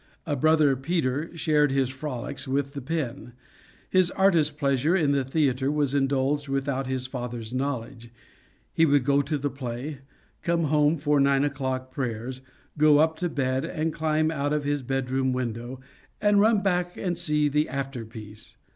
A brother Peter shared his frolics with the pen. His artist pleasure in the theater was indulged without his father's knowledge. He would go to the play, come home for nine o'clock prayers, go up to bed, and climb out of his bed room window, and run back and see the after piece.